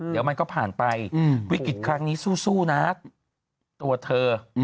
เดี๋ยวมันก็ผ่านไปวิกฤตครั้งนี้สู้นะตัวเธอ